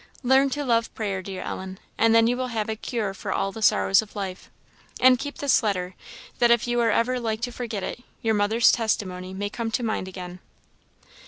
Learn to love prayer, dear Ellen, and then you will have a cure for all the sorrows of life. And keep this letter, that, if ever you are like to forget it, your mother's testimony may come to mind again.